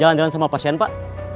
jalan jalan sama pasien pak